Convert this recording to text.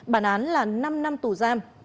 bản án là năm năm tù giam